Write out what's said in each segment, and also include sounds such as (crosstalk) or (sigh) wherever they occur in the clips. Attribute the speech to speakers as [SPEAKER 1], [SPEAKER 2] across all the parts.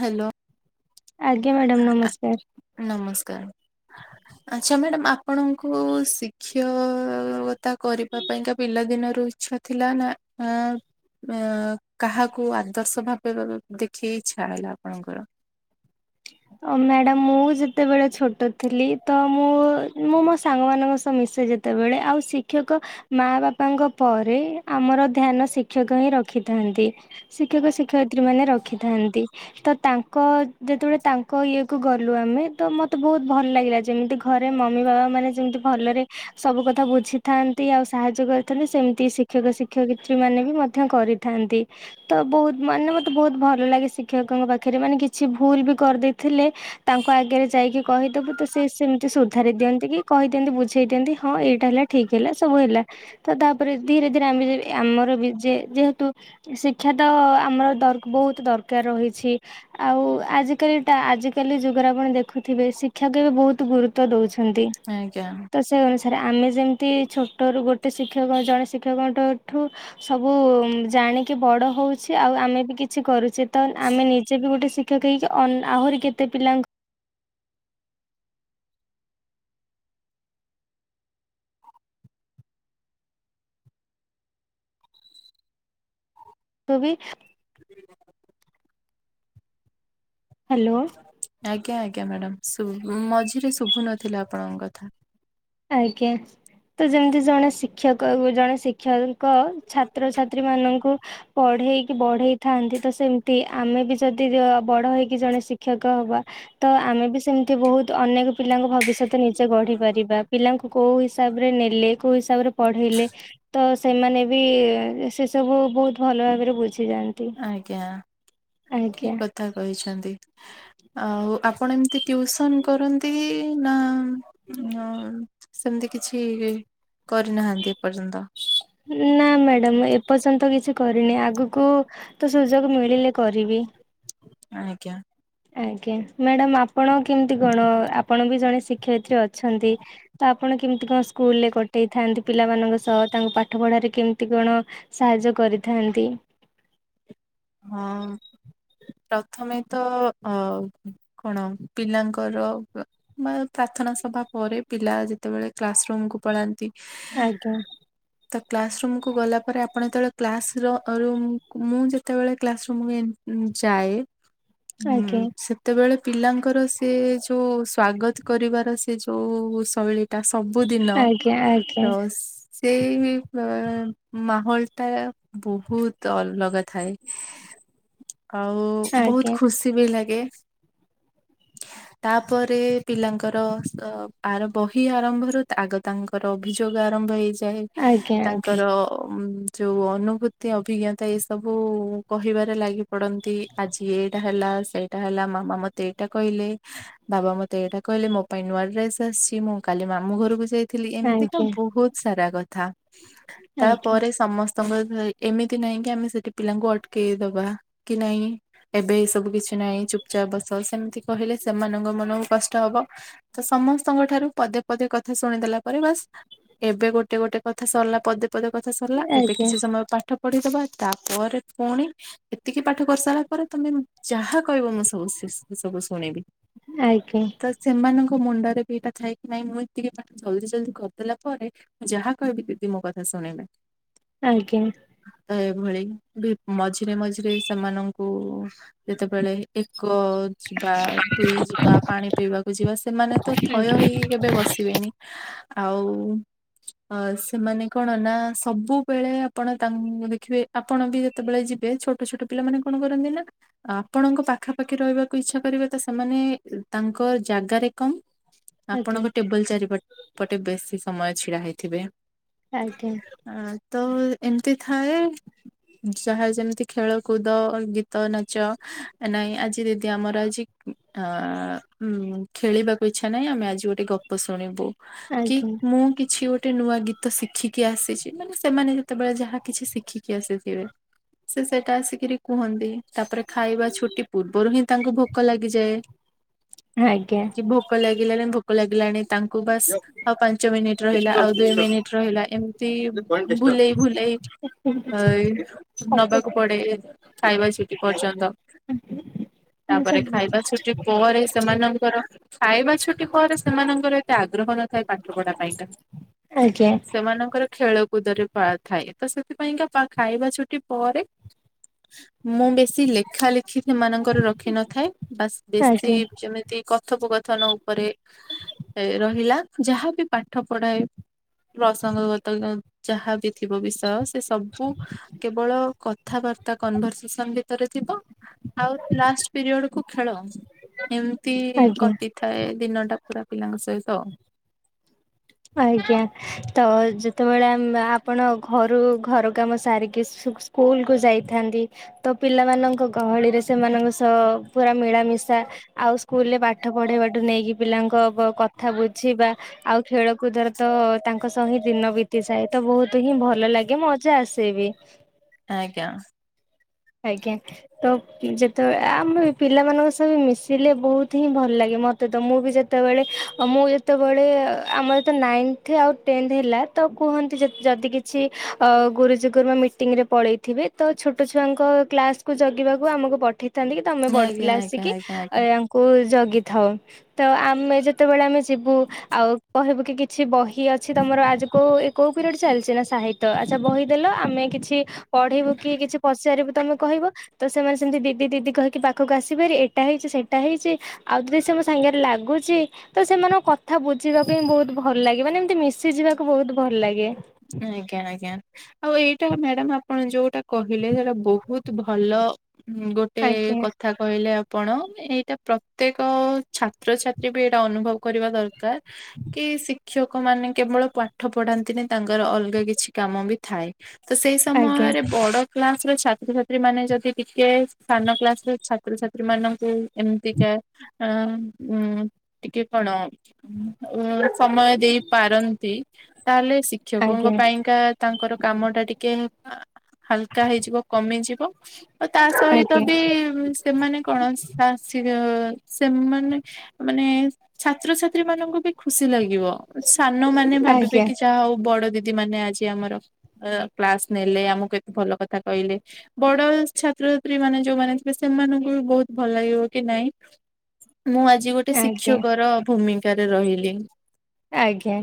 [SPEAKER 1] Hello.
[SPEAKER 2] ଆଜ୍ଞା madam ନମସ୍କାର।
[SPEAKER 1] ନମସ୍କାର।
[SPEAKER 2] (inaudible)
[SPEAKER 1] ଆଚ୍ଛା ମ୍ୟାଡ଼ାମ ଆପଣଙ୍କୁ ଶିକ୍ଷକତା କରିବା ପାଇଁ ତ ପିଲାଦିନରୁ ଇ ଛା ଥିଲା ନା ଆଁ ମେଁ କାହାକୁ ଆଦର୍ଶ ଭାବେ ଭାବେ ଦେଖି ଇଛା ହେଲା ଆପଣଙ୍କର।
[SPEAKER 2] ଅଁ ମ୍ୟାଡ଼ାମ ମୁଁ ଯେତେବେଳେ ଛୋଟୋ ଥିଲି ତ ମୁଁ ମୁଁ ମୋ ସାଙ୍ଗମାନଙ୍କ ସହ ମିଶେ ଯେ ତେବେଳେ ଆଉ ଶିକ୍ଷକ ମାଆ ବାପାଙ୍କ ପରେ ଆମର ଧ୍ୟାନ ଶିକ୍ଷକ ହିଁ ରଖିଥା ଥାନ୍ତି ଶିକ୍ଷକ ଶିକ୍ଷୟିତ୍ରୀ ମାନେ ରଖିଥାନ୍ତି ତ ତାଙ୍କ ଯେତେବୋଳେ ତା ଙ୍କ ଇଏ କୁ ଗଲୁ ଆମେ ତ ମତେ ବୋହୁତ ଭଲ ଲାଗିଲା ଯେମିତି ଘରେ ମମି ବାପା ମାନେ ଯେମିତି ଭଲରେ ସବୁ କଥା ବୁଝିଥାନ୍ତି, ଆଉ ସାହାଯ୍ୟ କରିଥାନ୍ତି, ସେମିତି ଶିକ୍ଷକ ଶିକ୍ଷକିତ୍ରୀ ମାନେ ବି ମଧ୍ୟ କରିଥା ନ୍ତି ତ ବୋହୁତ ମାନେ ମତେ ବୋହୁତ ଭଲ ଲାଗେ ଶିକ୍ଷକଙ୍କ ପାଖରେ ମାନେ କିଛି ଭୁଲ ବି କରିଦେଇ ଥିଲେ ତାଙ୍କ ଆଗରେ ଯାଇକି କହିଦବୁ ତ ସେମିତି ସୁଧାରି ଦିଅନ୍ତି କି କହିଦିଅନ୍ତି ବୁଝେଇ ଦିଅନ୍ତି ହଁ ଏଇଟା ହେଲା ଠିକ ହେଲା ସବୁ ହେଲା ତ ତାପରେ ଧୀରେ ଧୀରେ ଆମେ ଆମର ବି ଯେହେତୁ ଶିକ୍ଷା ତ ଆମର ଦର ବହୁତ ଦରକାର ରହିଛି ଆଉ ଆଜିକାଲି ଟା ଆଜିକାଲି ଯୁଗରେ ଆପଣ ଦେଖୁଥିବେ ଶିକ୍ଷା କୁ ଏବେ ବହୁତ ଗୁରୁତ୍ୱ ଦଉଛୁ ଛନ୍ତି।
[SPEAKER 1] ଆଜ୍ଞା
[SPEAKER 2] ତ ସେ ଅନ ଥରେ ଆମେ ଯେମିତି ଛୋଟରୁ ଗୋଟେ ଶିକ୍ଷକ ଜଣେ ଶିକ୍ଷକଙ୍କଠୁ ସବୁ ଜା ଆଣିକି ବଡ଼ ହଉଛେ ଆଉ ଆମେ ବି କିଛି କରୁଛେ ତ ଆମେ ନିଜେ ବି ଗୋଟେ ଶିକ୍ଷକ ହେଇକି ଅ ଆହୁରି କେତେ ପିଲାଙ୍କୁ ଙ୍କୁ ବି ହ୍ୟାଲୋ।
[SPEAKER 1] ଆଜ୍ଞା ଆଜ୍ଞା ମ୍ୟାଡାମ୍ ଶୁ ମଝିରେ ଶୁଭୁ ନଥିଲା ଆପଣଙ୍କ କଥା।
[SPEAKER 2] ଆଜ୍ଞା। ତ ଯେମିତି ଜଣେ ଶିକ୍ଷକ ଜଣେ ଶିକ୍ଷକ ଛାତ୍ରଛାତ୍ରୀ ମାନଙ୍କୁ ପ ଢେଇକି ବଢେଇଥାନ୍ତି ତ ସେମିତି ଆମେ ବି ଯଦି ବଡ ହେଇକି ଜଣେ ଶିକ୍ଷକ ହବା। ତ ଆମେ ବି ସେମିତି ବହୁତ ଅନେକ ପିଲାଙ୍କ ଭବିଷ୍ୟତ ନିଜେ ଗଢି ପାରିବା। ପିଲାଙ୍କୁ କୋଉଁ ହିସାବରେ ନେଲେ କୋଉଁ ହିସାବରେ ପଢେଇଲେ ତ ସେମାନେ ବି ସବୁ ବହୁତ ଭଲ ଭାବରେ ବୁଝିଯାଆନ୍ତି।
[SPEAKER 1] ଆଜ୍ଞା ଠିକ୍ କଥା କହିଛନ୍ତି। ଆଉ ଆପଣ ଏମିତି ଟିଉସନ୍ କରନ୍ତି ନା ସେମତି? କିଛି କରିନାହାନ୍ତି ଏପର୍ଯ୍ୟନ୍ତ
[SPEAKER 2] ନା ମ୍ୟାଡାମ ଏପର୍ଯ୍ୟନ୍ତ କିଛି କରିନି ଆଗକୁ ତ ସୁଯୋଗ ମିଳିଲେ କରିବି।
[SPEAKER 1] ଆଜ୍ଞା।
[SPEAKER 2] ଆଜ୍ଞା ମ୍ୟାଡ଼ାମ ଆପଣ କେମିତି କଣ ଆପଣ ବି ଜଣେ ଶିକ୍ଷୟିତ୍ରୀ ଅଛନ୍ତି ତ ଆପଣ କଣ କେମିତି କଣ ସ୍କୁଲରେ କଟେଇଥାନ୍ତି ପିଲାମାନଙ୍କ ସହ ତାଙ୍କୁ ପାଠ ପଢାରେ କେମତି କଣ ସାହାଯ୍ୟ କ କରିଥାନ୍ତି।
[SPEAKER 1] ହଁ। ପ୍ରଥମେ ତ ଅ କଣ ପିଲାଙ୍କର ବା ପ୍ରାର୍ଥନା ସଭା ପରେ ପିଲା ଯେତେବେଳେ କ୍ଲାସ ରୁମକୁୁ ପଳାନ୍ତି।
[SPEAKER 2] ଆଜ୍ଞା
[SPEAKER 1] କ୍ଲାସ ରୁମ୍ କୁ ଗଲା ପରେ ଆପଣ ଯେତେବେଳେ କ୍ଲାସ ର ରୁମ୍ ମୁଁ ଯେ ଯେତେବେଳେ କ୍ଲାସ ରୁମ ମୁଁ ଏ ଯାଏ ଉନ୍
[SPEAKER 2] ଆଜ୍ଞା
[SPEAKER 1] ସେତେବେଳେ ପିଲାଙ୍କର ସେ ଯୋଉଁ ସ୍ଵାଗତ କରିବାର ସେ ଯୋଉଁ ଶୈଳୀ ସବୁଦିନ
[SPEAKER 2] ଆଜ୍ଞା ଆଜ୍ଞା
[SPEAKER 1] ର ସେଇ ଆ ମାହୋଲ ଟା ବହୁତ ଅଲଗା ଥାଏ। ଆଉ
[SPEAKER 2] ଆଜ୍ଞା।
[SPEAKER 1] ବହୁତ ଖୁସି ବି ଲାଗେ।
[SPEAKER 2] (inaudible)
[SPEAKER 1] ତାପରେ ପିଲାଙ୍କର ଆ ର ବହି ଆରମ୍ଭରୁ ଆଗ ତାଙ୍କର ଅଭିଯୋଗ ଆରମ୍ଭ ହେଇଯା ଏ
[SPEAKER 2] ଆଜ୍ଞା
[SPEAKER 1] ତାଙ୍କର ଯୋଉଁ ଅନୁଭୂତି ଅଭିଜ୍ଞତା ଏ ସବୁ କହିବାରେ ଲାଗି ପଡନ୍ତି ଆଜି ଏଇଟା ହେଲା ସେଇଟା ହେଲା ମାମା ମତେ ଏଇଟା କହିଲେ ବାବା ମତେ ଏଇଟା କହିଲେ ମୋ ପାଇଁ ନୂଆ ଡ୍ରେସ ଆସିଚି ମୁଁ କାଲି ମାମୁ ଘରକୁ ଯାଇ ଥିଲି
[SPEAKER 2] ଆଜ୍ଞା
[SPEAKER 1] ଏମିତିକା
[SPEAKER 2] ଆଜ୍ଞା
[SPEAKER 1] ବହୁତ ସାରା କଥା
[SPEAKER 2] ଆଜ୍ଞା
[SPEAKER 1] ତାପରେ ସମସ୍ତ ତମର ଏମିତି ନାହିଁ କି ଆମେ ସେଠି ପିଲାଙ୍କୁ ଅଟ କେଇ ଦବା କି ନାଇଁ ଏବେ ଏ ସବୁ କିଛି ନାହିଁ ଚୁପଚାପ୍ ବସ ସେମିତି କହିଲେ ସେମାନଙ୍କ ମନକୁ କଷ୍ଟ ହବ ତ ସମସ୍ତଙ୍କ ଠାରୁ ପଦେ ପଦେ କଥା ଶୁଣିଦେଲା ପରେ ବାସ୍ ଏବେ ଗୋଟେ ଗୋଟେ କଥା ସରିଲା ପଦେ ପଦେ କଥା ସରିଲା ଏବେ
[SPEAKER 2] ଆଜ୍ଞା
[SPEAKER 1] କିଛି ସମୟ ପାଠ ପଢିଦେବା ତାପରେ ପୁଣି ଏତିକି ପାଠ କରିସାରିଲା ପରେ ତମେ ଯାହା କହିବ ମୁଁ ସେ ସବୁ ଶୁଣିବି
[SPEAKER 2] ଆଜ୍ଞା ଆଜ୍ଞା।
[SPEAKER 1] ତ ସେମାନଙ୍କ ମୁଣ୍ଡରେ ବି ଏଇଟା ଥାଏ କି ନାଇଁ ମୁଁ ଟିକେ ପାଠ ଏତିକି ଜଲ୍ଡି ଜଲ୍ଦି କରିଦେଲା ପରେ ମୁଁ ଯାହା କହିବି ଦିଦି ମୋ କଥା ଶୁଣିବେ।
[SPEAKER 2] ଆଜ୍ଞା
[SPEAKER 1] ଭଳି ମଝିରେ ମଝିରେ ସେମାନଙ୍କୁ ଯେତେବେଳେ ଏକ ଯିବା ଦୁଇ ଯିବା ପାଣି ପିଇବାକୁ ଯିବା ସେମାନେ ତ ଥ ଭୟ ହେଇକି କେବେ ବସିବେନି ଆଉ ଅ ସେମାନେ କଣ ନା ସବୁବେଳେ ଆପଣ ତାଙ୍କୁ ଦେଖିବେ ଆପଣ ବି କେତେବେଳେ ଯିବେ ଛୋଟ ଛୋଟ ପିଲାମାନେ କଣ କରନ୍ତି ନା ଆପଣଙ୍କ ପାଖାପାଖି ରହିବାକୁ ଇଚ୍ଛା କରିବେ ତ ସେମାନେ ତାଙ୍କ ଜାଗାରେ କମ୍ ଆପଣଙ୍କ ଟେବୁଲ ଚାରି ପଟେ ବେଶୀ ସମୟ ଛିଡା ହେଇଥିବ
[SPEAKER 2] ଆଜ୍ଞା
[SPEAKER 1] ତ ଏମିତି ଥାଏ ଯାହା ଯେମିତି ଖେଳକୁଦ ଗୀତ ନାଚ ନାହିଁ ଆଜି ଦିଦି ଆମର ଆଜି ଆଁ ହୁଁ ଖେଳିବାକୁ ଇଚ୍ଛା ନାହିଁ ଆମେ ଆଜି ଗୋଟେ ଗପ ଶୁଣିବୁ କି ମୁଁ କିଛି ଗୋଟେ ନୂଆ ଗୀତ ଶିଖିକି ଆସିଛି ମାନେ ସେମାନେ ଯେତେବେଳେ ଯାହା କିଛି ଶିଖିକି ଆସିଥିବେ
[SPEAKER 2] (inaudible)
[SPEAKER 1] ସେ ସେଇଟା ଆସିକରି କୁହନ୍ତି ତାପରେ ଖାଇବା ଛୁଟି ପୂର୍ବରୁ ହିଁ ତାଙ୍କୁ ଭୋକ ଲାଗିଯାଏ
[SPEAKER 2] ଆଜ୍ଞା
[SPEAKER 1] କି ଭୋକ ଲାଗିଲାଣି ଭୋକ ଲାଗିଲାଣି ତାଙ୍କୁ ବାସ୍ ଆଉ ପାଞ୍ଚ ମିନିଟ ରହିଲା ଆଉ ଦୁଇ ମିନିଟ ରହିଲା ଏମିତି ଭୁଲେଇ ଭୁଲେଇ (unintelligible) ନବାକୁ ପଡେ ଖାଇବା ସିଟି ପର୍ଯ୍ୟନ୍ତ ତାପରେ ଖାଇବା ଛୁଟି ପରେ ସେମାନଙ୍କର ଖାଇବା ଛୁଟି ପରେ ସେମାନଙ୍କର ଏତେ ଆଗ୍ରହ ନଥାଏ ପାଠ ପଢା ପାଇଁକା ସେମାନଙ୍କର ଖେଳକୁୁଦରେ ପା ଥାଏ ତ ସେଥିପାଇଁକା ଖାଇବା ଛୁଟି ପରେ ମୁଁ ବେଶୀ ଲେଖ ଲେଖା ଲେଖି ସେମାନଙ୍କର ରଖିିନଥାଏ ବା ବେଶୀ
[SPEAKER 2] ଆଜ୍ଞା
[SPEAKER 1] ଯେମିତି କଥୋପକଥନ ଉପରେ ଏ ରହିଲା ଯାହାବି ପାଠ ପଢା ପ୍ରସଙ୍ଗଗତ ଯାହାବି ଥିବ ବିଷୟ ସେ ସବୁ କେବଳ କଥାବାର୍ତ୍ତା କନଭରସେସନ ଭିତରେ ଥିବ ଆଉ ଲାଷ୍ଟ ପିରିୟଡ କୁ ଖେଳ ଏମିତି
[SPEAKER 2] ଆଜ୍ଞା।
[SPEAKER 1] କଟିଥାଏ ଦିନଟା ପୁରା ପିଲାଙ୍କ ସହିତ ଆ
[SPEAKER 2] ଆଜ୍ଞା ତ ଯେତେବେଳେ ଉଁ ଆପଣ ଘରୁ ଘର କାମ ସାରିକି ସ୍କୁଲ କୁ ଯାଇଥାନ୍ତି ତ ପିଲାମାନଙ୍କ ଗହଳିରେ ସେମାନଙ୍କ ସହ ପୁରା ମିଳାମିଶ ଆଉ ସ୍କୁଲ ରେ ପାଠ ପଢେଇବାଠୁ ନେଇକି ପିଲାଙ୍କ କଥା ବୁଝିବା ଆଉ ଖେଳକୁଦରେ ତ ତାଙ୍କ ସହ ହିଁ ଦିନ ବିତିସାଏ ତ ବହୁତ ହିଁ ଭଲ ଲାଗେ ମଜା ଆସେ ବି
[SPEAKER 1] ଆଜ୍ଞା
[SPEAKER 2] ହ ଆଜ୍ଞା ତ ଯେତେବେଳେ ଆମ ପିଲାମାନଙ୍କ ସବ ମିଶିଲେ ବହୁତ ହିଁ ଭଲ ଲାଗେ ମତେ ମୁଁ ବି ଯେତେବେଳେ ମୁଁ ଯେତେବେଳେ ଆମର ତ ନାଇନ୍ଥ ଆଉ ଟେନ୍ଥ ହେଲା ତ କୁହନ୍ତି ଯଦି କିଛି ଗୁରୁଜଗୁରୁମା ରେ ପଳେଇଥିବେ ତ ଛୋଟ ଛୁଆଙ୍କ କ୍ଲାସକୁ ଜଗିବାକୁ ଆମକୁ ପଠେଇ ଥାନ୍ତି କି ତମେ ବଡ଼
[SPEAKER 1] ଆଜ୍ଞା
[SPEAKER 2] ପିଲା
[SPEAKER 1] ଆଜ୍ଞା ଆଜ୍ଞା ଆଜ୍ଞା
[SPEAKER 2] ଆସିକିଙ୍କୁ ଜଗିଥାଉ ତ ଆମେ ଯେତେବେଳେ ଆମେ ଯୁ ଆଉ କହିବୁ କି କିଛି ବହି ଅଛି ତମର ଆଜି କୋ କୋଉ ପିରି ଚାଲିଛି ନା ସାହିତ ତ ଆଚ୍ଛା ବହିଦେଲ ଆମେ କିଛି ପଢେଇିବୁ କି କିଛି ପଚାରିବୁ ତମେ କହିବ ତ ସେମାନେ ସେମିତି ି ଦିଦି କହିକି ପାଖକୁ ଆସି ପାରି ଏଇଟା ହେଇଛି ସେଇଟା ହେଇଛି ଆଉ ଯଦି ସେ ସାଙ୍ଗରେ ଲାଗୁଛି ତ ମାନଙ୍କ କଥା ବୁଝିବାକୁ ହିଁ ବହୁତ ଭଲ ଲାଗେ ମାନେ ଏମତି ମିଶି ଯିବାକୁ ବହୁତ ଭଲ ଲାଗେ
[SPEAKER 1] ଆଜ୍ଞା ଆଜ୍ଞା ଆଉ ଏଇଟା ମ୍ୟାଡାାମ ଆପଣ ଯୋଉଟା କହିଲେ ସେଟା ବହୁତ ଭଲ ଁ ଗୋଟେ
[SPEAKER 2] ଆଜ୍ଞା
[SPEAKER 1] କଥା କହିଲେ ଆପଣ ଏଇଟା ପ୍ରତ୍ୟେକ ଛାତ୍ରଛାତ୍ରୀ ବି ଏଇଟା ଅନୁଭବ କରିବା ଦରକାର କି ଶିକ୍ଷକ ମାନେ କେବଳ ପାଠ ପଢାନ୍ତିନି ତାଙ୍କର ଅଲଗା କିଛି କାମ ବି ଥାଏ ତ ସେଇ
[SPEAKER 2] ଆଜ୍ଞା
[SPEAKER 1] ସମୟରେ ବଡ କ୍ଲାସ ଛାତ୍ରଛାତ୍ରୀ ମାନେ ଯଦି ଟିକେ ସାନ କ୍ଲାସ ରେ ଛାତ୍ରଛାତ୍ରୀ ୍ରୀ ମାନଙ୍କୁ ଏମିତିକା ଉ ଟିକେ କଣ ସମୟ ଦେଇ ପାରନ୍ତି ତାହେଲେ ଶିକ୍ଷକଙ୍କ
[SPEAKER 2] ଆଜ୍ଞା
[SPEAKER 1] ପାଇଁକା ତାଙ୍କର କାମ ଟା ଟିକେ ହାଲକା ହେଇଯିବ କମିଯିବ ଆ ତା ସହିତ
[SPEAKER 2] ଆଜ୍ଞା
[SPEAKER 1] ବି ସେମାନେ କଣ ସାସ ସେମାନେ ମାନେ ଛାତ୍ରଛାତ୍ରୀ ମାନଙ୍କୁ ବି ଖୁସି ଲାଗେ ସାନ ମାନେ ଭାବିବେ
[SPEAKER 2] ଆଜ୍ଞା
[SPEAKER 1] କି ଯାହା ହଉ ବଡ ଦିଦି ମାନେ ଆଜି ଆମର କ୍ଲାସ ନେଲେ ଆମକୁ ଏତେ ଭଲ କଥା କହିଲେ ବଡ ଛ ଛାତ୍ରଛାତ୍ରୀ ମାନେ ଯୋଉମାନେ ଥିବେ ସେମାନଙ୍କୁ ବି ବହୁତ ଭଲ ଲାଗିବ କି ନାଇଁ ମୁଁ ଆଜି ଗୋଟେ
[SPEAKER 2] ଆଜ୍ଞା
[SPEAKER 1] ଶିକ୍ଷକ ର ଭୂମିକାରେ ରହିଲି
[SPEAKER 2] ଆଜ୍ଞା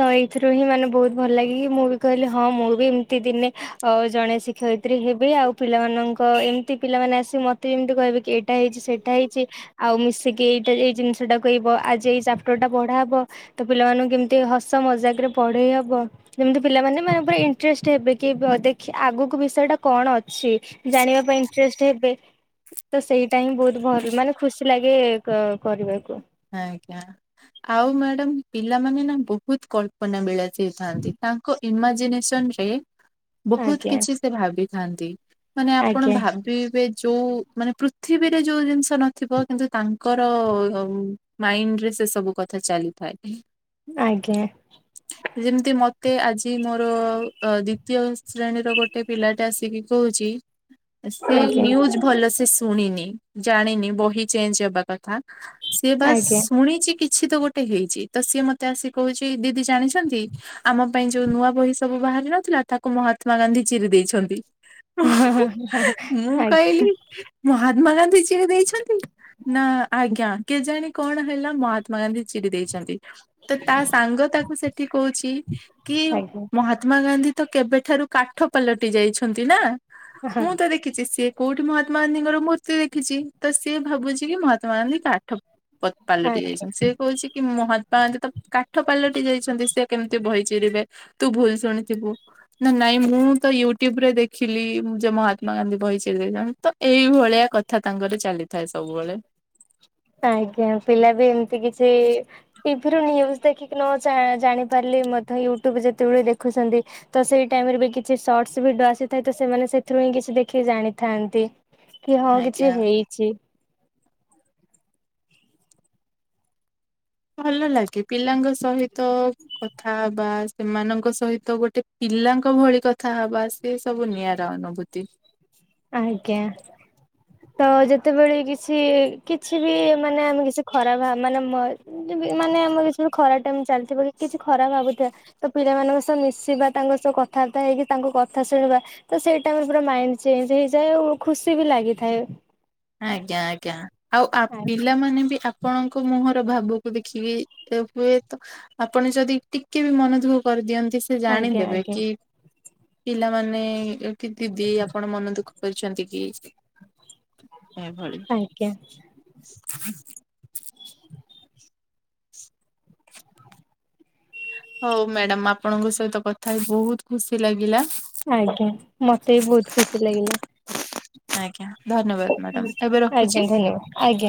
[SPEAKER 2] ତ ଏଇଥିରୁ ହିଁ ମାନେ ବହୁତ ଭଲ ଲାଗ କିି ମୁଁ ବି କହିଲି ହଁ ମୁଁ ବି ଏମତି ଦିନେ ଅ ଜଣେ ଶିକ୍ଷକ ରେ ହେବେ ଆଉ ପିଲାମାନଙ୍କ ଏମିତି ପିଲାମାନେ ଆସିକି ମତେ ଯେମିତି କହିବେ କି ଟା ହେଇଛି ସେଇଟା ହେଇଛି ଆଉ ସେ ଏଇଟା ଏଇ ଜିନିଷଟା କହିବ ଆଜି ଏଇ ଚାପଟର ଟା ପଢା ହବ ତ ପିଲାମାନଙ୍କୁ କେମ େ ହସ ମଜାକ ରେ ପଢେଇ ହବ ଯେମିତି ପିଲାମାନେ ମାନେ ପୁରା ଇଣ୍ଟରେଷ୍ଟ ହେବେ କି ଦେଖ ଆଗକୁ ବିଷୟ ଟା କଣ ଅଛି ଜାଣିବା ପାଇଁ ଇଣ୍ଟ ହେ ତ ସେଇଟା ହିଁ ବହୁତ ଭଲ ମାନେ ଖୁସି ଲାଗେ କରିବାକୁ
[SPEAKER 1] ଆ ଆଜ୍ଞା ଆଉ ମ୍ୟାଡାମ ପିଲାମାନୋନେ ନା ବହୁତ କଳ୍ପନା ମିଳା ଥାନ୍ତି ତାଙ୍କ ଇମାଜିନେସନ ରେ ବହୁତ
[SPEAKER 2] ଆଜ୍ଞା
[SPEAKER 1] କିଛି ସେ ଭାବିଥାନ୍ତି ମାନେ ଆପଣ
[SPEAKER 2] ଆଜ୍ଞା
[SPEAKER 1] ଭାବିବେ ଯୋଉ ମାନେ ପୃଥିବୀରେ ଯୋଉ ଜିନିଷ ନଥିବ କିନ୍ତୁ ତାଙ୍କର ମାଇଣ୍ଡ ରେ ସେ ସବୁ କଥା ଚାଲିଥାଏ
[SPEAKER 2] ଆଜ୍ଞା
[SPEAKER 1] ଯେମିତି ମ ମତେ ଆଜି ମୋର ଦ୍ଵିତୀୟ ଶ୍ରେଣୀର ଗୋଟେ ପିଲାଟା ଆସିକି କହୁଛି ସେ
[SPEAKER 2] ଆଜ୍ଞା
[SPEAKER 1] ନିୁଜ ଭଲ ସେ ଶୁଣିନି ଜାଣିନି ବହି ଚେଞ୍ଜ ହବା କଥା ସେ ବାସ
[SPEAKER 2] ଆଜ୍ଞା
[SPEAKER 1] ଶୁଣିଛି କିଛି ତ ଗୋଟେ ଗୋଟେ ହେଇଛି ତ ସିଏ ମତେ ଆସି କହୁଛି ଦିଦି ଜାଣିଛନ୍ତି ଆମ ପାଇଁ ଯୋଉ ନୂଆ ବହି ସବୁ ବାହାରି ନଥିଲା କଥାକୁ ମହାତ୍ମା ଗାନ୍ଧୀ ଚିରି ଦେଇଛନ୍ତି ମୁଁ
[SPEAKER 2] ଆଜ୍ଞା
[SPEAKER 1] କହିଲି ମହା ମା ଗାନ୍ଧୀ ଯି ଦେଇଛନ୍ତି ନା ଆଜ୍ଞା ସେଜାଣି କଣ ହେଲା ମହାତ୍ମା ଗାନ୍ଧୀ ଚିଡି ଦେଇଛନ୍ତି ତ ତା ସାଙ୍ଗ ତାକୁ ସେଠି କହୁଛି କି
[SPEAKER 2] ଆଜ୍ଞା
[SPEAKER 1] ମହାତ୍ମା ଗାନ୍ଧୀ ତ କେବେଠାରୁ କାଠ ପାଲଟି ଯାଇଛନ୍ତି ନା ମୁଁ ତ ଦେଖିଛି ସିଏ କୋଉଠି ମହାତ୍ମା ଗାନ୍ଧୀଙ୍କର ମୂର୍ତ୍ତି ଦେଖିଚି ତ ସିଏ ଭାବୁଛି କି ମହାତ୍ମା ଗାନ୍ଧୀ କା ଅତ ପାଲଟି
[SPEAKER 2] ଆଜ୍ଞା
[SPEAKER 1] ଯାଇଛନ୍ତି ସେ କହୁଛି କି ମହାତ୍ମା ଗାନ୍ଧୀ ତ କାଠ ପାଲ ରି ଯାଇଛନ୍ତି ସେ କେମିତି ବହିଚିରିବେ ତୁ ଭୁଲ ଶୁଣିଥିବୁ ନା ନାଇଁ ମୁଁ ତ ୟୁଟୁବ ଦେଖିଲି ମୁଁ ଯେ ମହାତ୍ମା ଗାନ୍ଧୀ ବହିଚିରି ଦେଇନାହାନ୍ତି ତ ଏଇଭଳିଆ କଥା ତାଙ୍କର ଚାଲିଥାଏ ସବୁବେଳେ
[SPEAKER 2] ହ (inaudible) ଆଜ୍ଞା ପିଲା ବି ଏମତି କିଛି ଟିଭିରୁୁ ନ୍ଯୂଜ ଦେଖିକି ନ ଜା ଜାଣି ପାରିଲେ ଲେ ମଧ୍ୟ ୟୂଟୁବ୍ ଯେତବେଳେ ଦେଖୁଛନ୍ତି ତ ସେଇ ଟାଇମରେ ବି କିଛି ସର୍ଟସ ଭିଡିଅ ଆସିଥାଏ ତ ସେମାନେ ସେଥିରୁ କିଛି ଦେଖିକି ଜାଣିଥାନ୍ତି କି ହଁ କିଛି
[SPEAKER 1] ଆଜ୍ଞା।
[SPEAKER 2] ହେଇଛି
[SPEAKER 1] ଭଲ ଲାଗେ ପିଲାଙ୍କ ସହିତ କଥା ବା ସେମାନଙ୍କ ସହିତ ଗୋଟେ ପି ପିଲାଙ୍କ ଭଳି କଥା ହବା ସି ସବୁ ନିଆରା ଅନୁଭୂତି
[SPEAKER 2] ଆଜ୍ଞ ତ ଯେତେବେଳେ କିଛି କିଛି ବି ମାନେ ଆମେ କିଛି ଖରାପ ଭାବ ମାନେ ମନେ ମାନେ ଆମର କିଛି ଖରା ଟାଇମ ଚାଲିଥିବ କି କିଛି ଖରାପ ଭାବୁଥିବା ତ ପିଲାମାନାନଙ୍କ ସହ ମିଶିବା ତାଙ୍କ ସହ କଥାବାର୍ତ୍ତା ହେଇକି ତାଙ୍କୁ କଥା ଶୁଣିବା ତ ସେଇଟାମର ପୁରା ମାଇ ଚେଞ୍ଜ ହେଇଯାଏ ଓ ଖୁସି ବି ଲାଗିଥାଏ
[SPEAKER 1] ଆଜ୍ଞା ଆଜ୍ଞା ଆଉ ଆପ ପିଲାମାନେ ବି ଆପଣଙ୍କ ମୁହଁରୁ ଭାବକୁ ଦେଖିକି ହୁଏ ତ ଆପଣ ଯଦି ଟିକେ ବି ମନଦୁଃଖ କରିଦିଅନ୍ତୁ ସେ
[SPEAKER 2] ଆଜ୍ଞା
[SPEAKER 1] ଜାଣିଦେବେ
[SPEAKER 2] ଆଜ୍ଞା
[SPEAKER 1] କି ପିଲାମାନେ କି ଦିଦି ଆପଣ ମନ ଦୁଃଖ କରିଛନ୍ତି କି ଏଭଳି (inaudible)
[SPEAKER 2] ଆଜ୍ଞା
[SPEAKER 1] ହଉ ମ୍ୟାଡାମ୍ ଆପଣଙ୍କ ସହିତ କଥା ହେଇ ବହୁତ ଖୁସି ଲାଗିଲା।
[SPEAKER 2] ଆଜ୍ଞା ମତେ ବି ବହୁତ ଖୁସି ଲାଗିଲା।
[SPEAKER 1] ଆଜ୍ଞା ଧନ୍ୟବାଦ ମ୍ୟାଡାାମ ଏବେ
[SPEAKER 2] ଆଜ୍ଞା
[SPEAKER 1] ରଖୁଛି।
[SPEAKER 2] ଧନ୍ୟବାଦ ଆଜ୍ଞା।